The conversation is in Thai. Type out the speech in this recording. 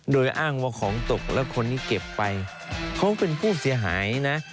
โดยอ้างว่าของตกแล้วคนนี้เก็บไปเขาเป็นผู้เสียหายนะ